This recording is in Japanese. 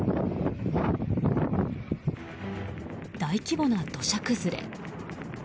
大規模な土砂崩れ。